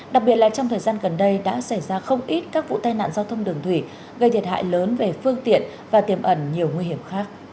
đặc biệt là trong thời gian gần đây đã xảy ra không ít các vụ tai nạn giao thông đường thủy gây thiệt hại lớn về phương tiện và tiềm ẩn nhiều nguy hiểm khác